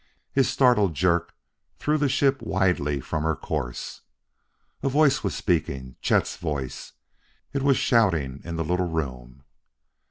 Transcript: His startled jerk threw the ship widely from her course. A voice was speaking Chet's voice! It was shouting in the little room!